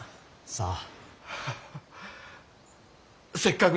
さあ。